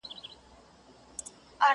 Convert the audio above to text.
زما یو آه ته د هر چا ګو تې دي